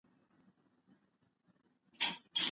ايا ته کتاب لولې؟